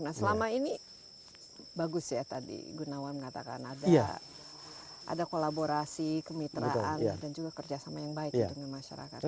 nah selama ini bagus ya tadi gunawan mengatakan ada kolaborasi kemitraan dan juga kerjasama yang baik dengan masyarakat